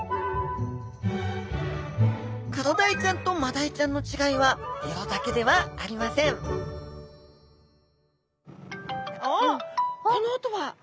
クロダイちゃんとマダイちゃんの違いは色だけではありません・おっこの音は！